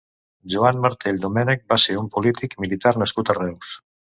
Joan Martell Domènech va ser un polític i militar nascut a Reus.